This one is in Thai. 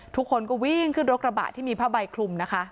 ทุกคนก็วิ่งขึ้นรถกระบะที่มีผ้าใบคลุมนะคะ